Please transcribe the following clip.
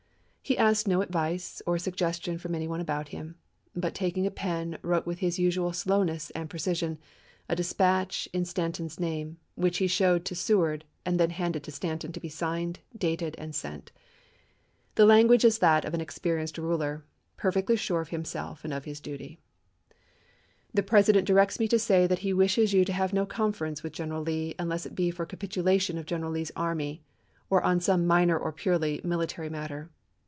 He asked no advice or suggestion from any one about him, but taking a pen, wrote with his usual slowness and precision a dispatch in Stanton's name, which he showed to Seward and then handed to Stanton to be signed, dated, and sent. The language is that of an experienced ruler, perfectly sure of himself and of his duty : The President directs me to say that he wishes you to have no conference with General Lee unless it he for capitulation of General Lee's army, or on some minor or purely military matter.